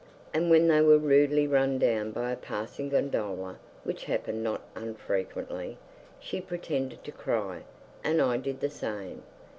And when they were rudely run down by a passing gondola (which happened not unfrequently) she pretended to cry, and I did the same.